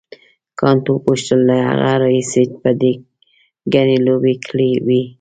کانت وپوښتل له هغه راهیسې به دې ګڼې لوبې کړې وي.